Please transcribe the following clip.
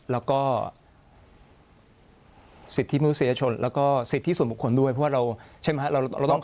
แล้วก็สิทธิมือเสียชนและก็สิทธิส่วนบุคคลด้วยเพราะว่าเราต้องขอบ